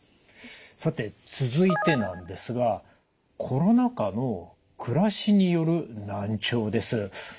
さて続いてなんですがコロナ禍の暮らしによる難聴です。